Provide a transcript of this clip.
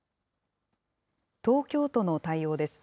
東京都の対応です。